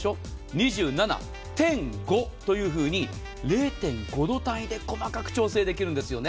２７．５度というふうに０．５度単位で細かく調整できるんですね。